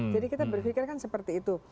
jadi kita berpikirkan seperti itu